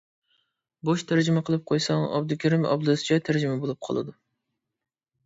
بوش تەرجىمە قىلىپ قويساڭ ئابدۇكېرىم ئابلىزچە تەرجىمە بولۇپ قالىدۇ.